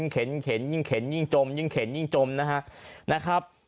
เข็นยิ่งเข็นยิ่งจมยิ่งจมนะครับ